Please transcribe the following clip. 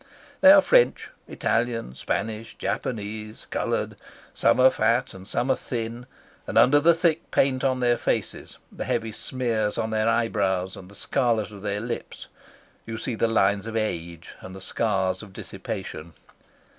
They are French. Italian, Spanish, Japanese, coloured; some are fat and some are thin; and under the thick paint on their faces, the heavy smears on their eyebrows, and the scarlet of their lips, you see the lines of age and the scars of dissipation.